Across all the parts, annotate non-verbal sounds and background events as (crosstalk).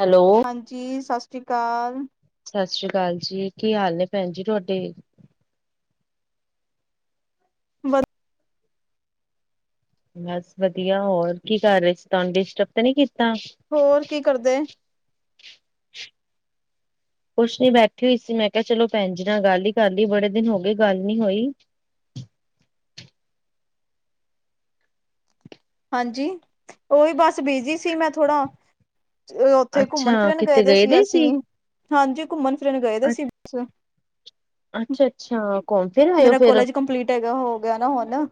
Hello ਹਾਂਜੀ ਸਸ ਸ੍ਰੀ ਕਾਲ ਸਸ ਸ੍ਰੀ ਕਾਲ ਜੀ ਕੀ ਹਾਲ ਨੇ ਭੈਣ ਜੀ ਤੁਹਾਡੇ। ਵਧ ਬਸ ਵਧੀਆ ਹੋਰ ਕੀ ਕਰ ਰੇ ਸੀ ਤੁਆਨੂੰ ਡਿਸਟਰਬ ਤੇ ਨੀ ਕੀਤਾ। ਹੋਰ ਕੀ ਕਰਦੇ ਕੁਛ ਨੀ ਬੈਠੀ ਸੀ ਮੈਂ ਕੇਹਾ ਚਲੋ ਭੈਣ ਜੀ ਨਾਲ ਗੱਲ ਈ ਕਰ ਲਏ ਬੜੇ ਦਿਨ ਹੋ ਗਏ ਗੱਲ ਨੀ ਹੋਈ। ਹਾਂਜੀ ਓਹੀ ਬਸ ਬਿਜੀ ਸੀ ਮੈਂ ਥੋੜਾ। ਏ ਓਥੇ ਘੁੰਮਣ ਫਿਰਨ ਗਏ ਦੇ ਸੀ ਅਸੀਂ, ਹਾਂਜੀ ਘੁੰਮਣ ਗਏ ਦੇ ਸੀ, ਅੱਛਾ-ਅੱਛਾ, ਘੁੰਮ ਫਿਰ ਆਏ ਹੋ ਮੇਰਾ ਫਿਰ? ਕੋਾਲੇਜ ਕੰਪਲੀਟ ਤੇ ਗਾ ਹੋ ਗੇਆ ਨਾ ਹੁਣ।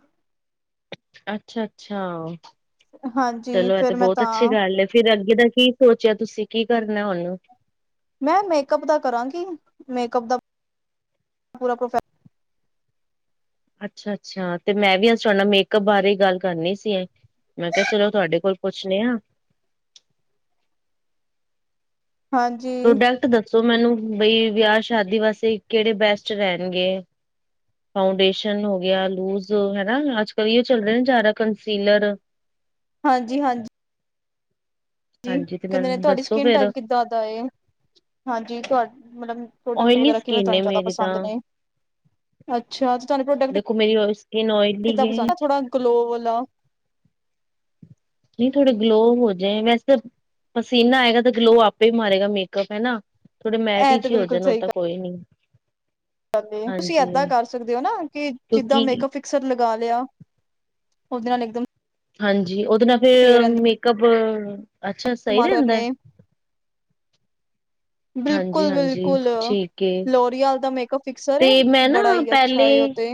ਅੱਛਾ-ਅੱਛਾ ਹਾਂਜੀ ਚਲੋ ਏ ਤੇ ਫਿਰ ਮੈਂ ਬਹੁਤ ਤਾਂ ਅੱਛੀ ਗੱਲ ਫੇਰ ਅੱਗੇ ਦਾ ਕੀ। ਸੋਚਿਆ ਤੁਸੀਂ ਕੀ ਕਰਨੈ ਹੁਂਨ? ਮੈਂ ਮੇਕਅਪ ਦਾ ਕਰਾਂਗੀ, ਮੇਕਅਪ ਦਾ, ਪੂਰਾ ਪ੍ਰੋਫੈ ਅੱਛਾ-ਅੱਛਾ ਤੇ ਮੈਂ ਵੀ ਆਜ ਤੁਹਾਡੇ ਨਾਲ ਮੇਕਅਪ ਬਾਰੇ ਗੱਲ ਕਰਨੀ ਸੀ ਏ। ਮੈਂ ਕੇਹਾ ਚਲੋ ਤੁਹਾਡੇ ਕੋਲ ਪੁੱਛਣੇ ਆ। ਹਾਂਜੀ ਪ੍ਰੋਡਕਟ ਦੱਸੋ ਮੈਨੂੰ ਬਈ ਵਿਆਹ ਸ਼ਾਦੀ ਵਾਸਤੇ ਕੇਹੜੇ ਬੈਸਟ ਰੈਹਣਗੇ। ਫਾਊਂਡੇਸ਼ਨ ਹੋ ਗੇਆ ਲੂਜ ਹੈਨਾ ਅੱਜ-ਕੱਲ ਐਈਉ ਚੱਲ ਰੇਆ ਜਯਾਦਾ ਕੰਸੀਲਰ ਹਾਂਜੀ-ਹਾਂਜੀ। ਜੀ ਹਾਂਜੀ ਤੇ ਕੈਹੰਦੇ ਨੇ ਮੈਨੂੰ ਤੁਹਾਡੀ ਦੱਸੋ ਸਕਿਨ ਫੇਰ ਟਾਈਪ ਕਿਂਦਾ ਦਾ ਏ। ਹਾਂਜੀ ਤੁਹਾ, ਵੀ ਮਤਲਬ ਪ੍ਰੋਡਕਟ ਓਇਲੀ ਵਗੈਰਾ ਕਿਵੇਂ ਸਕਿਨ ਨੇ ਤੁਹਾਨੂੰ ਜ਼ਆਦਾ ਮੇਰੀ ਤਾਂ ਪਸੰਦ ਨੇ? ਅੱਛਾ ਤੇ ਤੁਆਨੂੰ ਪ੍ਰੋਡਕਟ, ਦੇਖੋ ਮੇਰੀ ਸਕਿਨ ਓਇਲੀ ਕਿੱਦਾਂ ਹੈ ਪੰਸਦ ਥੋੜਾ ਗਲੋ ਵਾਲਾ ਨਹੀਂ ਥੋੜੇ ਗਲੋ ਹੋ ਜਾਏ ਵੈਸੇ, ਪਸੀਨਾ ਆਏਗਾ ਤਾਂ ਗਲੋ ਆਪੇ ਈ ਮਾਰੇਗਾ ਮੇਕਅਪ ਹੈਨਾ। ਥੋੜੇ ਮੈਟ ਇਹ ਤੇ ਇਚ ਈ ਹੋ ਬਿਲਕੁਲ ਜਾਣ ਓ ਸਹੀ ਤਾਂ ਕੋਈ ਨੀ। ਤੁਸੀਂ ਹਾਂਜੀ ਏਦਾਂ ਕਰ ਸਕਦੇ ਓ ਨਾ ਕਿ ਜਿੱਦਾਂ ਕਿਉਂਕਿ ਮੇਕਅਪ ਅਕਸਰ ਲਗਾ ਲੇਆ, ਓਹਦੇ ਨਾਲ ਏਕਦਮ ਹਾਂਜੀ ਉਹਦੇ ਨਾਲ ਫੇਰ ਮੇਕਅੱਪ- ਅੱਛਾ ਸਹੀ ਰਹਿੰਦਾ। ਬਿਲਕੁਲ ਹਾਂਜੀ-ਹਾਂਜੀ ਬਿਲਕੁਲ ਠੀਕ, ਲੋਰੀਅਲ ਦਾ ਮੇਕਅਪ ਫਿਕਸਰ ਏ ਤੇ ਮੈਂ ਨਾ ਬੜਾ ਹੀ ਅੱਛਾ ਪਹਿਲੇ ਏ ਉਹ ਤੇ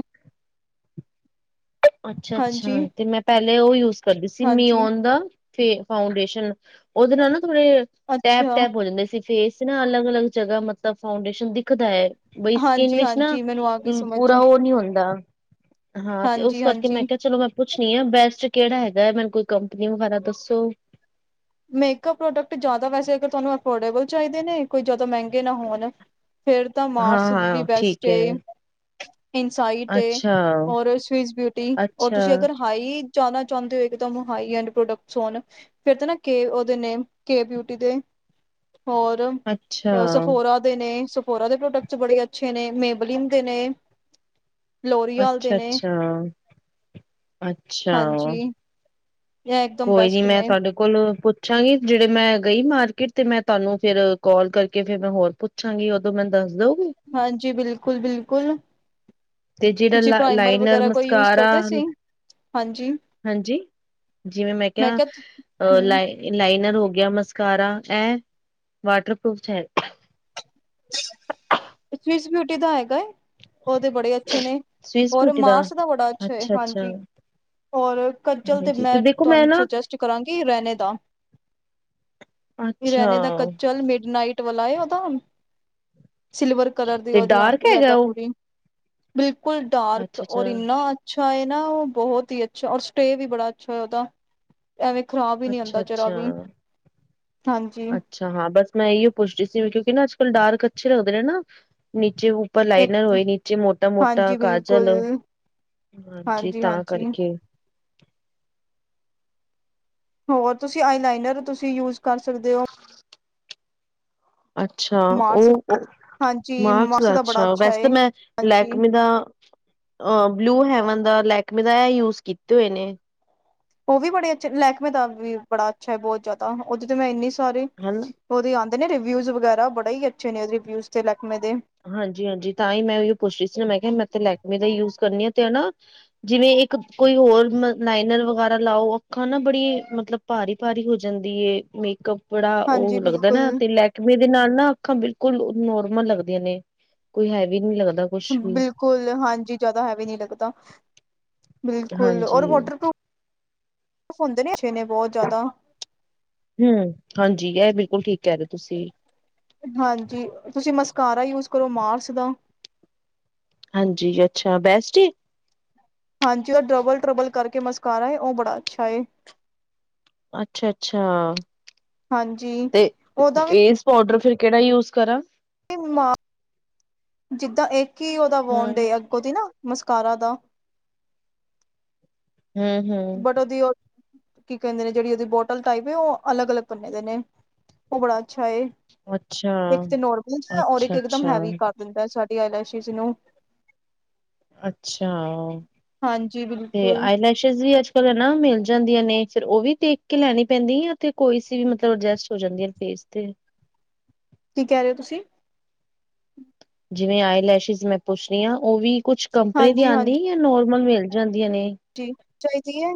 ਅੱਛਾ-ਅੱਛਾ ਹਾਂਜੀ ਤੇ ਮੈਂ ਪਹਿਲੇ ਉਹ ਯੂਜ ਕਰਦੀ ਸੀ ਹਾਂਜੀ ਮੀਨ ਦਾ ਫੇ ਫਾਊਂਡੇਸ਼ਨ। ਉਹਦੇ ਨਾਲ ਨਾ ਥੋੜੇ, ਅੱਛਾ ਟੈਪ-ਟੈਪ ਹੋ ਜਾਂਦੇ ਸੀ- ਫੇਸ ਨਾ ਅਲੱਗ-ਅਲੱਗ ਜਗ੍ਹਾ ਮਤਲਬ ਫਾਊਂਡੇਸ਼ਨ ਦਿਖਦਾ ਹੈ- ਬਾਈ ਸਕਿਨ ਹਾਂਜੀ ਵਿਚ ਨਾ, ਹਾਂਜੀ ਮੈਨੂੰ ਆ ਗਈ ਸਮਝ ਪੂਰਾ ਉਹ ਨਹੀਂ ਹੁੰਦਾ ਹਾਂ ਤੇ ਉਸ ਹਾਂਜੀ ਕਰਕੇ ਮੈਂ ਹਾਂਜੀ ਕਿਹਾ ਚਲੋ ਮੈਂ ਪੁੱਛ ਨੀ ਹੈ ਬੈਸਟ ਕਿਹੜਾ ਹੈਗਾ ਮੈਨੂੰ ਕੋਈ ਕੰਪਨੀ ਵਗੈਰਾ ਦੱਸੋ? ਮੇਕਅਪ ਪ੍ਰੋਡਕਟ ਜ਼ਿਆਦਾ ਵੈਸੇ ਅਗਰ ਤੁਹਾਨੂੰ ਅਫੋਰਡੇਬਲ ਚਾਹੀਦੇ ਨੇ ਕੋਈ ਜਿਆਦਾ ਮਹਿੰਗੇ ਨਾ ਹੋਣ, ਫੇਰ ਤਾਂ ਮਾਰਸ ਵੀ ਹਾਂ-ਹਾਂ ਬੈਸਟ ਠੀਕ ਹੈ ਏ ਇਨਸਾਈਟ, ਅੱਛਾ ਔਰ ਸਵਿਜ਼ ਬਿਊਟੀ ਔਰ ਅੱਛਾ ਤੁਸੀਂ ਅਗਰ ਹਾਈ ਜਾਣਾ ਚਾਹੁੰਦੇ ਹੋ ਇੱਕ ਤਾਂ ਹ ਐਂਡ ਪ੍ਰੋਡਕਟਸ ਹੋਣ ਫਿਰ ਤਾਂ ਨਾ ਕੇ ਉਹਦੇ ਨੇ ਕੇ ਬਿਊਟੀ ਦੇ ਹੋਰ ਅੱਛਾ ਸਫੋਰਾ ਦੇਨੇ ਸਫੋ ਦੇ ਪ੍ਰੋਡਕਟਸ ਬੜੇ ਅੱਛੇ ਨੇ ਮੇਬਲੀਨ ਦੇ ਨੇ ਲੋਹਰੀ ਵਾਲਾਲ ਦੇ ਨੇ। ਅੱਛਾ-ਅੱਛਾ ਅੱਛਾ। ਹਾਂਜੀ ਇਹ ਇਕਦਮ ਕੋਈ ਨੀ ਬੈਸਟ ਮੈਂ ਨੇ ਤੁਹਾਡੇ ਕੋਲ ਪੁੱਛਾਂਗੀ ਜਿਹੜੇ ਮੈਂ ਗਈ ਮਾਰਕੀਟ ਤੇ ਮੈਂ ਤੁਹਾਨੂੰ ਫੇਰ ਕਾਲ ਕਰਕੇ ਫੇਰ ਮੈਂ ਹੋਰ ਪੁੱਛ ਅੱਛਾਂਗੀ ਉਦੋਂ ਮੈਨ ਦੱਸ ਦਊਗੇ? ਹਾਂਜੀ ਬਿਲਕੁਲ-ਬਿਲਕੁਲ। ਤੇ ਜਿਹੜਾ ਲ ਲਾਈਨਰ ਕੋਈ ਯੂਜ ਮਸਕਾਰਾ ਕਰਦੇ ਸੀ ਹਾਂਜੀ ਹਾਂਜੀ, ਜਿਵੇਂ ਮੈਂ ਕਿਹਾ, ਅਹ ਹਮ ਲਾਈ ਲਾਈਨਰ ਹੋ ਗਿਆ ਮਸਕਾਰਾ ਇਹ, ਵਾਟਰਪੂਫ ਹੈ। ਬਿਊਟੀ ਦਾ ਹੈਗਾ ਹੈ ਉਹਦੇ ਬੜੇ ਅੱਛੇ ਨੇ, ਸਵਿਸ ਔਰ ਬਿਊਟੀ ਮਾਰਸ ਦਾ ਬੜਾ ਅੱਛਾ ਹੈ ਹਾਂਜੀ ਔਰ ਕੱਜਲ ਤੇ ਹਾਂਜੀ ਮੈਂ ਦੇਖੋ ਤੁਹਾਨੂੰ ਨਾ ਸੁਜੈਸਟ ਕਰਾਂਗੇਰੈਣੇੇ ਅੱਛਾ ਦਾਰਹਿਣੇੇ ਦਾ, ਕਚਲ ਮਿਡ ਨਾਈਟ ਵਾਲਾ ਉਹਦਾ ਹੁਣ, ਸਿਲਵਰ ਕਲਰ ਦੀ ਤੇ ਉਹਦੀ ਡਾਰਕ ਆਉਂਦੀ ਹੈਗਾ ਏਦਾਂ ਉਹ ਪੂਰੀ ਬਿਲਕੁਲ ਅੱਛਾ ਡਾਰਕ ਔਰ ਅੱਛਾ ਇੰਨਾ ਅੱਛਾ ਹੈ ਨਾ ਉਹ ਬਹੁਤ ਹੀ ਅੱਛਾ ਔਰ ਸਟੇ ਵੀ ਬੜਾ ਅੱਛਾ ਉਹਦਾ ਐਵੇਂ ਖ਼ਰਾਬ ਹੀ ਨਹੀਂ ਅੱਛਾ ਆਉਂਦਾ ਜਰਾ ਵੀ, ਅੱਛਾ ਹਾਂਜੀ। ਅੱਛਾ ਹਾਂ ਬਸ ਮੈਂ ਇ ਪੁੱਛਦੀ ਸੀ ਕਿਉਂਕਿ ਨਾ ਅੱਜ-ਕੱਲ੍ਹ ਡਾਰਕ ਅੱਛੇ ਲੱਗਦੇ ਨੇ ਨਾ ਨੀਚੇ ਪਰ ਇੱਕ ਲਾਈਨਰ ਹੋਏ ਨੀਚੇ ਮੋਟਾ-ਮੋਟਾ ਹਾਂਜੀ ਬਿਲਕੁਲ ਕਾਜਲ, ਹਾਂਜੀ ਤਾਂ ਕਰਕੇ। ਹੋਰ ਤੁਸੀਂ ਆਈ ਲਈਨਰ ਤੁਸੀਂ ਯੂਜ ਕਰ ਸਕਦੇ ਹੋ। ਅੱਛਾ! ਮਾਰਸ ਉਹ। ਹਾਂਜੀ ਮਾਰਕਸ ਮਾਰਸ ਦਾ ਬੜਾ ਅੱਛਾ ਵੈਸੇ ਏ ਤਾਂ ਮੈਂ ਹਾਂਜੀ ਲੈਕਮੇ ਦਾ ਅ ਬਲੂ ਹੈਵਨ ਦਾ ਲੈਕਮੇ ਦਾ ਇਹ ਯੂਜ ਕੀਤੇ ਹੋਏ ਨੇ। ਉਹ ਵੀ ਬੜੇ ਅੱਛੇ ਲਹਿਕਮੇ ਦਾ ਵੀ ਬੜਾ ਅੱਛਾ ਹੈ। ਬਹੁਤ ਜ਼ਿਆਦਾ ਉਹਦੇ ਤੇ ਮੈਂ ਇੰਨੀ ਸਾਰੇ ਹਨਾ। ਉਹਦੇ ਆਂਦੇ ਨੇ ਰਿਵਿਊਜ਼ ਵਗੈਰਾ ਬੜੇ ਹੀ ਅੱਛੇ ਨੇ ਉਹਦੇ ਰਿਵਿਊਜ਼ ਤੇ ਲਹਿਕਮੇ ਦੇ। ਹਾਂਜੀ! ਹਾਂਜੀ! ਤਾਂ ਹੀ ਮੈਂ ਪੁੱਛ ਰਹੀ ਸੀ ਨਾ ਮੈਂ ਕਿਹਾ ਮੈਂ ਲੈਕਮੇ ਦਾ ਯੂਜ ਕਰਨੀ ਆ ਤੇ ਨਾ ਜਿਵੇਂ ਇੱਕ ਕੋਈ ਹੋਰ ਲਾਈਨਰ ਵਗੈਰਾ ਲਾਓ ਅੱਖਾਂ ਨਾ ਬੜੀ ਮਤਲਬ ਭਾਰੀ-ਭਾਰੀ ਹੋ ਜਾਂਦੀ ਏ ਮੇਕਅਪ ਬੜਾ ਹਾਂਜੀ ਉਹ ਲੱਗਦਾ ਨਾ ਬਿਲਕੁਲ ਤੇ ਲੈਕਮੇ ਦੇ ਨਾਲ ਨਾ ਅੱਖਾਂ ਬਿਲਕੁਲ ਨੋਰਮਲ ਲੱਗ ਲੱਗਦੇ ਨੇ ਕੋਈ ਹੈਵੀ ਨੀ ਲੱਗਦਾ। ਕੁਛ ਵੀ ਬਿਲਕੁੱਲ ਹਾਂਜੀ ਜਾਦਾ ਹੈਵੀ ਨੀ ਲੱਗਦਾ। ਬਿਲਕੁਲ ਹਾਂਜੀ ਔਰ ਵਾਟਰਪਰੂ- ਓ ਹੁੰਦੇ ਨੇ ਅੱਛੇ ਨੇ ਬੋ ਜਾਦਾ। ਹੂੰ ਹਾਂਜੀ ਐ ਬਿਲਕੁਲ ਠੀਕ ਕੈ ਰੇ ਓ ਤੁਸੀਂ। ਹਾਂਜੀ ਤੁਸੀਂ ਮਸਕਾਰਾ ਯੂਜ ਕਰੋ ਮਾਰਸ ਦਾ। ਹਾਂਜੀ ਅੱਛਾ ਬੈਸਟ ਏ। ਹਾਂਜੀ ਓ ਡਰਬਲ ਟਰਬਲ ਕਰਕੇ ਮਸਕਾਰਾ ਏ, ਓ ਬੜਾ ਅੱਛਾ ਏ। ਅੱਛਾ ਅੱਛਾ ਹਾਂਜੀ ਤੇ ਉਹਦਾ ਫੇਸ। ਪੋਡਰ ਫੇਰ ਕੇੜਾ ਯੂਜ ਕਰਾਂ। ਮਾ- ਜਿੱਦਾਂ ਇੱਕ ਈ ਓਦਾ ਵੋਣ ਹੂੰ ਡੇ ਅੱਗੋਂ ਦੀ ਨਾ ਮੁਸਕਾਰਾ ਦਾ। ਹੂੰ ਹੂੰ ਬਟ ਓਦੀ ਓ ਕੀ ਕੈਂਦੇ ਨੇ ਜੇੜੀ ਓਦੀ ਬੋਟਲ ਟਾਈਪ ਏ, ਓ ਅਲੱਗ ਅਲੱਗ ਪੰਨੇ ਦੇ ਨੇ। ਓ ਬੜਾ ਅੱਛਾ ਏ। ਅੱਛਾ ਇੱਕ ਤੇ ਨੋਰਮਲ ਜਿਆ ਔਰ ਇੱਕ ਅੱਛਾ ਇਕਦਮ ਅੱਛਾ ਹੈਵੀ ਕਟ। ਦਿੰਦਾ ਸਾਡੀ ਆਇਲੈਸਿਜ਼ ਨੂੰ। ਅੱਛਾ ਹਾਂਜੀ ਤੇ ਬਿਲਕੁਲ ਆਈਲੈ- ‌ਲੈਸਿਜ ਵੀ ਅੱਜ ਕੱਲ ਹਨਾ ਮਿਲ ਜਾਂਦੀਆਂ ਨੇ, ਫੇਰ ਓ ਵੀ ਦੇਖ ਕੇ ਲੈਣੀ ਪੈਂਦੀ ਐ ਤੇ ਕੋਈ ਸੀ ਵੀ ਮਤਲਬ ਅਡਜਸਟ ਹੋ ਜਾਂਦੀਆਂ ਨੇ। ਫੇਸ ਤੇ। ਕੀ ਕੈ ਰੇ ਓ ਤੁਸੀਂ। ਜਿਵੇਂ ਆਈ ਲੈਸ਼ਜ਼ ਮੈਂ ਪੁੱਛ ਰੀ ਆਂ। ਓ ਵੀ ਕੁਛ ਕੰਪਨੀ ਦੀ ਹਾਂਜੀ ਆਂਦੀ। ਜਾਂ ਨੋਰਮਲ ਮਿਲ ਜਾਂਦੀਆਂ ਨੇ। ਜੀ ਚਾਈਦੀ ਏ।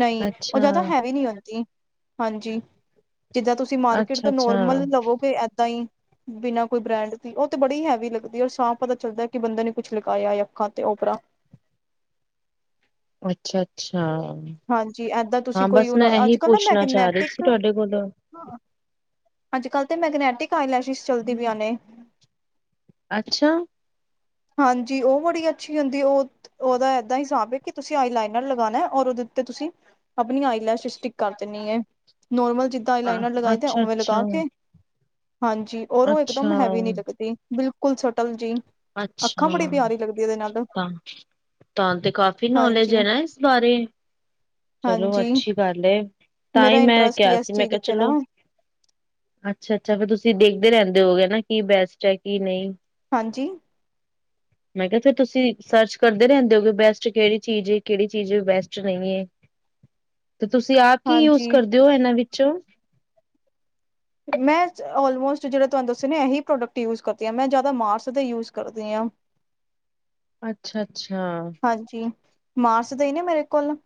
ਨਈ ਓ ਜਾਦਾ ਅੱਛਾ ਹੈਵੀ ਨੀ ਹੁੰਦੀ। ਹਾਂਜੀ ਜਿੱਦਾਂ ਤੁਸੀਂ- ਤੁਸੀਂ ਮਾਰਕੀਟ ਅੱਛਾ ਤੋਂ ਨੋਰਮਲ ਅੱਛਾ ਲਵੋਗੇ ਏਦਾਂ ਈ। ਬਿਨਾਂ ਕੋਈ ਬ੍ਰੈਂਡ ਦੀ ਓ ਤੇ ਬੜੀ ਹੈਵੀ ਲੱਗਦੀ, ਔਰ ਸਾਫ਼ ਪਤਾ ਚੱਲਦਾ ਕੀ ਬੰਦੇ ਨੇ ਕੁਛ ਲਗਾਇਆ ਅੱਖਾਂ ਤੇ ਓਪਰਾ। ਅੱਛਾ ਅੱਛਾ ਹਾਂਜੀ ਏਦਾਂ ਤੁਸੀਂ ਕੋਈ ਹੁਣ ਅੱਜ ਕੱਲ੍ਹ ਨਾ ਪੁੱਛਣਾ ਚਾਹ ਰਹੀ ਸੀ ਮੈਗਨੈਟਿਕ- ਤੁਹਾਡੇ ਕੋਲੋਂ ਅੱਜ ਕੱਲ੍ਹ ਤੇ ਮੈਗਨੈਟਿਕ ਆਈਲੈਸ਼ਿਸ ਚੱਲਦੀ ਪੀਆਂ ਨੇ। ਅੱਛਾ ਹਾਂਜੀ ਓ ਬੜੀ ਅੱਛੀ ਹੁੰਦੀ ਓ। ਓਦਾ ਏਦਾਂ ਹਿਸਾਬ ਏ ਕੀ ਤੁਸੀਂ ਆਈ ਲਾਈਨਰ ਲਗਾਣਾ ਔਰ ਓਦੇ ਉੱਤੇ ਤੁਸੀਂ- ਆਪਣੀ ਆਈਲੈਸ਼ ਸਟਿਕ ਕਰ ਦੇਨੀ ਏ। ਨੋਰਮਲ ਜਿੱਦਾਂ ਆਈ ਲਾਈਨਰ ਲਗਾਈ ਦਾ ਓਵੇਂ ਅੱਛਾ-ਅੱਛਾ ਲਗਾ ਕੇ। ਹਾਂਜੀ ਔਰ ਅੱਛਾ ਓ ਇਕਦਮ ਹੈਵੀ ਨੀ ਲੱਗਦੀ। ਬਿਲਕੁਲ ਸਟਲ ਜੀ। ਅੱਖਾਂ ਅੱਛਾ ਬੜੀ ਪਿਆਰੀ ਲੱਗਦੀ ਉਹਦੇ ਨਾਲ ਤਾਂ। ਤਾਂ ਨੂੰ ਤੇ ਕਾਫ਼ੀ ਨੌਲੇਜ ਹਾਂਜੀ ਏ ਨਾ ਇਸ ਬਾਰੇ। ਚਲੋ ਹਾਂਜੀ ਅੱਛੀ ਗੱਲ ਏ। ਤਾਂ ਮੇਰਾ ਈਂ ਮੈਂ ਇੰਟਰਸਟ ਹੀ ਕਿਆ ਇਸ ਸੀ, ਮੈਂ ਚੀਜ਼ ਕਿਆ ਚ ਹੈ ਨਾ ਚਲੋ। ਅੱਛਾ ਅੱਛਾ ਫੇਰ ਤੁਸੀਂ ਦੇਖਦੇ ਰੈਂਦੇ ਹੋਗੇ ਨਾ ਕੀ ਬੈਸਟ ਐ ਕੀ ਨ‌ਈ। ਹਾਂਜੀ ਮੈਂ ਕਿਆ ਫੇਰ ਤੁਸੀਂ ਸਰਚ ਕਰਦੇ ਰੈਂਦੇ ਓ ਕੇ ਬੈਸਟ ਕੇੜੀ ਚੀਜ਼ ਏ, ਕੇੜੀ ਚੀਜ਼ ਬੈਸਟ ਨ‌ਈ ਏ। ਤੇ ਤੁਸੀਂ ਆਪ ਕੀ ਯੂਜ ਹਾਂਜੀ ਕਰਦੇ ਓ ਏਨਾਂ ਵਿੱਚੋਂ। ਮੈਂ ਔਲਮੋਸਟ ਜੜਾ ਤੁਆਨੂੰ ਦੱਸੇ ਨੇ, ਐਹੀ ਪ੍ਰੋਡਕਟ ਯੂਜ ਕਰਦੀ ਆਂ। ਮੈਂ ਜਾਦਾ ਮਾਰਸ ਦੇ ਯੂਜ ਕਰਦੀ ਆਂ। ਅੱਛਾ ਅੱਛਾ ਹਾਂਜੀ ਮਾਰਸ ਦਾ ਈ ਨਾ ਮੇਰੇ ਕੋਲ।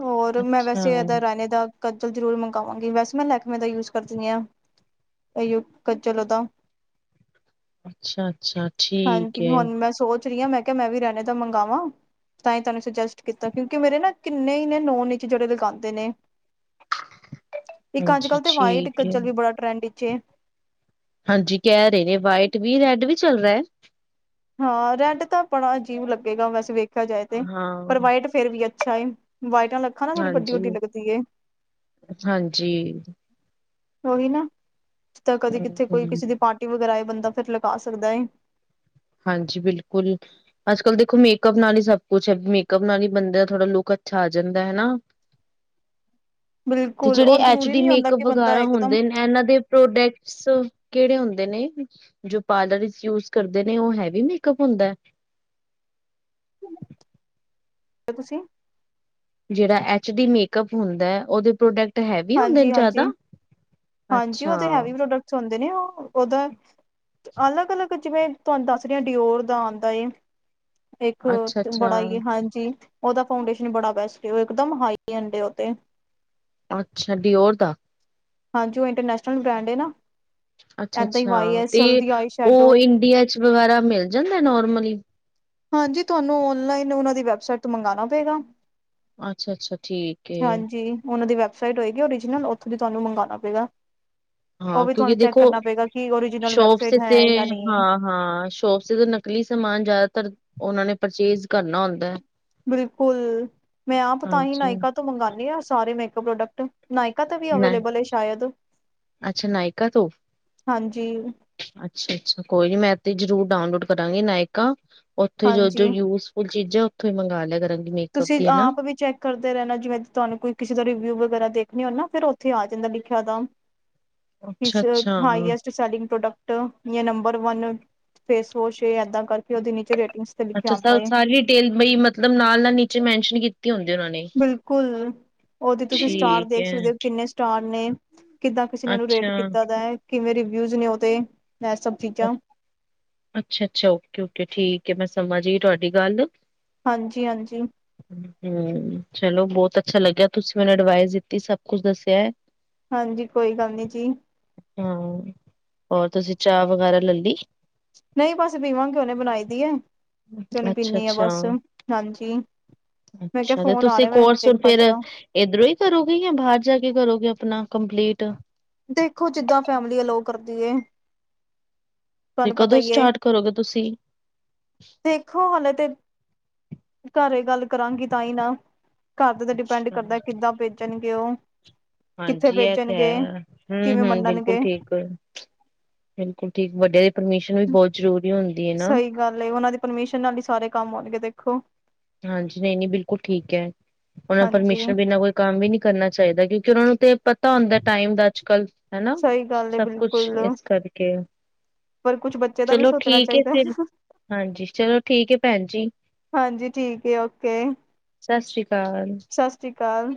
ਹੋਰ ਮੈਂ ਵੈਸੇ ਅੱਛਾ ਅੱਛਾ ਏਦਾ ਰੈਣੇ ਦਾ- ਕੱਜਲ ਜ਼ਰੂਰ ਮੰਗਵਾਂਗੀ। ਵੈਸੇ ਮੈਂ ਲੈਕਮੇ ਦਾ ਯੂਜ ਕਰਦੀ ਆਂ, ਏਈਓ ਕੱਜਲ ਓਦਾ। ਅੱਛਾ ਅੱਛਾ। ਹਾਂਜੀ, ਹੁਣ ਮੈਂ ਸੋਚ ਰਹੀ ਹਾਂ ਮੈਂ ਕਯਾ ਮੈਂ ਵੀ ਰੇਨੇ ਤੂੰ ਮੰਗਾਵਾਂ। ਤਾਂ ਹੀ ਤੁਹਾਨੂੰ ਸੁਜੈਸਟ ਕੀਤਾ ਕਿਉਂਕਿ ਮੇਰੇ ਨਾ ਕਿੰਨੇ ਹੀ ਨੇ ਨੋਨ ਚ ਜਿਹੜੇ ਲਗਾਉਂਦੇ ਨੇ। ਇੱਕ ਅੱਜ ਹਾਂਜੀ ਕਲ੍ਹ ਤੇ ਵਾਈਟ ਠੀਕ ਹੈ। ਕੱਜਲ ਵੀ ਬੜਾ ਟਰੈਂਡ ਇਚ ਏ। ਹਾਂਜੀ ਕਹਿ ਰਹੇ ਨੇ ਵਾਈਟ ਵੀ ਰੈਡ ਵੀ ਚਲਦਾ ਏ। ਹਾਂ, ਰੈਡ ਤਾਂ ਬੜਾ ਅਜੀਬ ਲੱਗੇਗਾ ਵੈਸੇ ਵੇਖਿਆ ਜਾਏ ਤੇ, ਪਰ ਹਾਂ, ਵਾਈਟ ਫਿਰ ਵੀ ਅੱਛਾ ਏ, ਵਾਈਟ ਅਲ ਹਾਂਜੀ, ਹਾਂਜੀ। ਉਹੀ ਨਾ ਤਾਂ ਕਦੇ ਕਿਤੇੇ ਕੋਈ ਹੂੰ-ਹੂੰ। ਕਿਸੇ ਦੀ ਪਾਰਟੀ ਵਗੈਰਾ ਬੰਦਾ ਫਿਰ ਲਗਾ ਸਕਦਾ ਏ। ਹਾਂਜੀ, ਬਿਲਕੁਲ ਅੱਜ ਕੱਲ੍ਹ ਦੇਖੋ ਮੇਕਅਪ ਨਾਲ ਹੀ ਸਭ ਕੁੱਛ ਹੈ, ਮੇਕਅੱਪ ਨਾਲ ਹੀ ਬੰਦੇ ਦਾ ਥੋੜ੍ਹਾ ਲੁੱਕ ਅੱਛਾ ਆ ਜਾਂਦਾ ਹਨਾ। ਤੇ ਬਿਲਕੁਲ ਜਿਹੜੇ ਔਰ ਐਚ ਜ਼ਰੂਰੀ ਡੀ ਨਹੀਂ ਹੁੰਦਾ ਮੇਕਅਪ ਕਿ ਬੰਦਾ ਵਗੈਰਾ ਇਕਦਮ ਹੁੰਦੇ ਨੇ, ਇਹਨਾਂ ਦੇ ਪ੍ਰੋਡਕਤਸ ਕਿਹੜੇ ਹੁੰਦੇ ਨੇ ਜੋ ਪਾਰਲਰ ਵਿਚ ਯੂਜ ਕਰ ਦੇ ਨੇ ਉਹ ਹੈਵੀ ਮੇਕਅਪ ਹੁੰਦਾਆ। (inaudible) ਜਿਹੜਾ ਐਚ ਡੀ ਮੇਕਅਪ ਹੁੰਦਾ ਹੈ ਉਹਦੇ ਪ੍ਰੋਡਕਟ ਹੈਵੀ ਹੁੰਦੇ ਨੇ ਹਾਂਜੀ-ਹਾਂਜੀ, ਜਾਦਾ, ਹਾਂਜੀ ਅੱਛਾ। ਹਦੇ ਨੇ ਉਹ ਉਹਦਾ ਅਲੱਗ-ਅਲੱਗ ਜਿਵੇਂ ਤੁਹਾਨੂੰ ਦੱਸ ਰਿ ਡਿਓਰ ਦਾ ਆਉਂਦਾ ਏ। ਇੱਕ ਬੜਾ ਹੀ ਅੱਛਾ-ਅੱਛਾ-ਅੱਛਾ ਹਾਂਜੀ। ਉਹਦਾ ਫੌਂਡੇਸ਼ਨ ਬੜਾ ਬੈਸਟ ਏ ਓ ਇਕਦਮ ਹਾਈ ਐਂਡ ਓ ਤੇ। ਅੱਛਾ, ਡਿਓਰ ਦਾ ਹਾਂਜੀ, ਉਹ ਇੰਟਰਨੈਸ਼ਨਲ ਬ੍ਰਾਂਡ ਏ ਨਾ। ਏਦਾਂ ਹੀ ਅੱਛਾ-ਅੱਛਾ ਵਾਈ ਐਸ ਤੇ ਐਲ ਦੀ ਆਈ ਸ਼ੈਡੋ ਉਹ ਇੰਡੀਆ ਚ ਵਗੈਰਾ ਮਿਲ ਜਾਂਦਾ ਨੋਰਮਲੀ ਹਾਂਜੀ, ਤੁਹਾਨੂੰ ਔਨਲਾਈਨ ਉਹਨਾ ਦੀ ਵੈਬਸਾਈਟ ਤੋਂ ਮੰਗਉਣਾ ਪਏਗਾ। ਅੱਛਾ-ਅੱਛਾ ਠੀਕ ਏ। ਹਾਂਜੀ ਉਹਨਾਂ ਦੀ ਵੈਬਸਾਈਟ ਹੋਏਗੀ ਓਰੀਜਨਲ ਉੱਥੋਂ ਦੀ ਤੁਹਾਨੂੰ ਮੰਗਵਾਉਣਾ ਪਏਗਾ। ਉਹ ਹਾਂ ਵੀ ਕਿਉਂਕਿ ਤੁਹਾਨੂੰ ਚੈੱਕ ਦੇਖੋ ਕਰਨਾ ਪਏਗਾ ਕਿ ਓਰੀਜਨਲ ਵੈਬਸਾਈਟ ਹੈ ਜਾਂ ਨਹੀਂ। ਹਾਂ ਸ਼ੋਪ ਤੇ ਤਾਂ ਨਕਲੀ ਸਮਾਨ ਜ਼ਿਆਦਾਤਰ ਉਹਨਾਂ ਨੇ ਪਰਚੇਜ ਕਰਨਾ ਹੁੰਦਾ ਹੈ। ਬਿਲਕੁਲ, ਮੈਂ ਆਪ ਤਾਂ ਹੀ ਹਾਂਜੀ ਨਾਇਕਾ ਤੋਂ ਮੰਗਵਾਉਂਦੇ ਹਾਂ ਸਾਰੇ ਮੇਕਅਪ ਪ੍ਰੋਡਕਟ। ਨਾਇਕਾ ਤਾਂ ਵੀ ਨਹੀਂ ਅਵੇਲੇਬਲ ਹੈ ਸ਼ਾਇਦ, ਅੱਛਾ ਨਾਇਕਾ ਤੋਂ ਹਾਂਜੀ। ਅੱਛਾ-ਅੱਛਾ ਕੋਈ ਨੀ ਮੈਂਤੇ ਜਰੂਰ ਡਾਊਨਲੋਡ ਕਰਾਂਗੀ ਨਾਇਕਾ ਉੱਥੇ ਜੋ ਜੋ ਹਾਂਜੀ ਯੂਜ ਉਹ ਚੀਜ਼ਾਂ ਉੱਥੋਂ ਹੀ ਮੰਗਵਾ ਲਿਆ ਕਰਾਂਗੀ। ਮੇਕਅਪ ਤੁਸੀਂ ਦੀ ਹਨਾ ਆਪ ਵੀ ਚੈੱਕ ਕਰਦੇ ਰਹਿਣਾ ਜਿਵੇਂ ਤੁਹਾਨੂੰ ਕੋਈ ਕਿਸੇ ਦਾ ਰਿਵਿਊ ਵਗੈਰਾ ਦੇਖਣੀ ਹੋ ਨਾ ਫਿਰ ਉੱਥੇ ਆ ਜਾਂਦਾ ਲਿਖਿਆ ਦਾ। (unintelligible) ਅੱਛਾ-ਅੱਛਾ highest selling product number one face wash ਏਦਾਂ ਕਰਕੇ ਓਦੇ ਨੀਚੇ ਰੇਟਿੰਗ ਅੱਛਾ, ਸਾਰੀ ਡਿਟੇਲ ਬਈ ਮਤਲਬ ਨਾਲ ਨਾਲ ਨੀਚੇ ਮੈਨਸ਼ਨ ਕੀਤੀ ਹੁੰਦੀ ਉਹਨਾਂ ਨੇ। ਬਿਲਕੁਲ! ਓਦੇ ਤੁਸੀਂ ਸਟਾਰ ਠੀਕ ਦੇਖ ਹੈ ਸਕਦੇ ਹੋ ਕਿੰਨੇ ਸਟਾਰ ਨੇ ਕਿੱਦਾਂ ਕਿਸੇ ਨੇ ਉਹਨੂੰ ਰੇਟ ਅੱਛਾ। ਕੀਤਾ ਦਾ। ਕਿਵੇਂ ਰਿਵਿਊਜ਼ ਨੇ ਉਹਦੇ ਇਹ ਸਭ ਚੀਜ਼ਾਂ ਅੱਛਾ-ਅੱਛਾ ਓਕੇ, ਓਕੇ ਠੀਕ ਹੈ ਮੈਂ ਸਮਾਂ ਜਈ ਤੁਹਾਡੀ ਗੱਲ। ਹਾਂਜੀ-ਹਾਂਜੀ। ਹਮ, ਚਲੋ ਬਹੁਤ ਅੱਛਾ ਲੱਗਿਆ ਤੁਸੀਂ ਮੈਨੂੰ ਅਡਵਾਈਸ ਦਿੱਤੀ ਸਭ ਕੁਛ ਦੱਸਿਆ ਹੈ। ਹਾਂਜੀ, ਕੋਈ ਗੱਲ ਨੀ ਜੀ। ਹਮ ਹੋਰ ਤੁਸੀਂ ਚਾਹ ਵਗੈਰਾ ਲੈ ਲਈ। ਨਹੀਂ ਬਸ ਪੀਵਾਂ ਕਿਉਨੇ ਬਣਾਈ ਦੀ ਹੈ ਤੇ ਹੁਨੇ ਅੱਛਾ ਪੀਂਨੀ ਆ ਅੱਛਾ। ਬਸ ਹਾਂਜੀ। ਮੈਂ ਕਿਹਾ ਅੱਛਾ ਤੇ ਫੋਨ ਆ ਤੁਸੀਂ ਰਿਹਾ ਮੈਂ ਕੋਰਸ ਹੁਨ ਦੇਖਾਂ ਫਿਰ ਜਰਾ ਏਧਰੋਂ ਹੀ ਕਰੋਗੇ ਜਾਂ ਬਾਹਰ ਜਾ ਕੇ ਕਰੋਗੇ ਆਪਣਾ ਕੰਪਲੀਟ ਦੇਖੋ ਜਿੱਦਾਂ ਫੈਮਿਲੀ ਅਲਾਔ ਕਰਦੀ ਹੇ। ਤੇ ਤੁਹਾਨੂੰ ਪਤਾ ਕਦੋਂ ਏ ਸਟਾਰਟ ਕਰੋਗੇ ਤੁਸੀਂ? ਦੇਖੋ ਹਾਲੇ ਤੇ ਘਰੇ ਗੱਲ ਕਰਾਂਗੀ ਤਾਂ ਹੀ ਨਾ ਘਰਦੇ ਤੇ ਡਿਪੈਂਡ ਅੱਛਾ ਕਰਦਾ ਕਿੱਦਾਂ ਭੇਜਣਗੇ ਉਹ ਕਿੱਥੇ ਹਾਂਜੀ ਇਹ ਤੇ ਭੇਜਣਗੇ ਹੈ। ਹਮ ਕਿਵੇਂ ਹਮ ਬਿਲਕੁਲ ਮੰਨਣਗੇ ਠੀਕ ਬਿਲਕੁਲ ਠੀਕ ਵੱਡੇ ਦੇ ਪਰਮਿਸ਼ਨ ਵੀ ਬਹੁਤ ਜ਼ਰੂਰੀ ਹੁੰਦੀ। ਹੈ ਨਾ ਸਹੀ ਗੱਲ ਉਹਨਾਂ ਦੀ ਪਰਮਿਸ਼ਨ ਨਾਲ ਹੀ ਸਾਰੇ ਕੰਮ ਹੋਣਗੇ ਦੇਖੋ ਹਾਂਜੀ ਨਹੀਂ ਨਹੀਂ ਬਿਲਕੁਲ ਠੀਕ ਹੈ ਉਹਨਾਂ ਹਾਂਜੀ ਪਰਮਿਸ਼ਨ ਬਿਨਾਂ ਕੋਈ ਕੰਮ ਵੀ ਨੀ ਕਰਨਾ ਚਾਹੀਦਾ ਕਿਉਂਕਿ ਉਹਨਾਂ ਨੂੰ ਤੇ ਤਾਂ ਆ ਟਾਈਮ ਦਾ ਅੱਜ ਕੱਲ ਹੈਨਾ ਸਹੀ ਗੱਲ ਏ ਸਭ ਕੁਛ ਬਿਲਕੁਲ ਇਸ ਕਰਕੇ। ਪਰ ਕੁਛ ਬੱਚੇ ਦਾ ਵੀ ਚਲੋ ਸੋਚਣਾ ਠੀਕ ਹੈ ਚਾਹੀਦਾ ਫਿਰ ਹਾਂਜੀ ਚਲੋ ਠੀਕ ਹੈ ਭੈਣ ਜੀ। ਹਾਂਜੀ ਠੀਕੇ ਔਕੇ ਸਤਿ ਸ਼੍ਰੀ ਅਕਾਲ। ਸਤਿ ਸ਼੍ਰੀ ਅਕਾਲ।